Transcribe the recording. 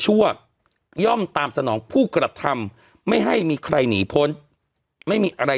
ชั่วย่อมตามสนองผู้กระทำไม่ให้มีใครหนีพ้นไม่มีอะไร